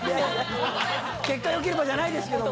結果良ければじゃないですけども。